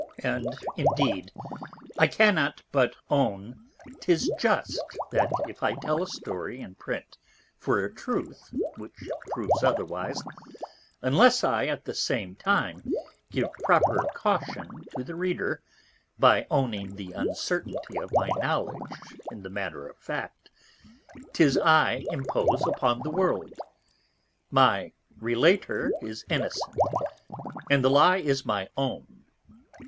_ _And indeed, I cannot but own 'tis just, that if I tell a Story in Print for a Truth which proves otherwise, unless I, at the same time, give proper Caution to the Reader, by owning the Uncertainty of my Knowledge in the matter of fact, 'tis I impose upon the World: my Relater is innocent, and the Lye is my own.